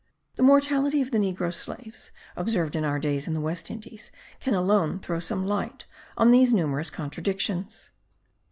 The mortality of the negro slaves, observed in our days in the West Indies, can alone throw some light on these numerous contradictions.